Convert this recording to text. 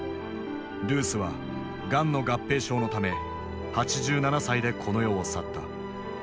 ルースはがんの合併症のため８７歳でこの世を去った。